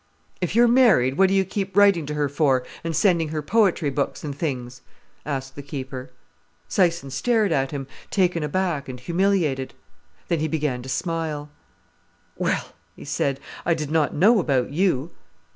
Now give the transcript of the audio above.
"If you're married, what do you keep writing to her for, and sending her poetry books and things?" asked the keeper. Syson stared at him, taken aback and humiliated. Then he began to smile. "Well," he said, "I did not know about you...."